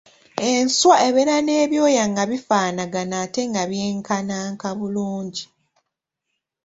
Enswa ebeera n'ebyoya nga bifaanagana ate nga byenkanaka bulungi.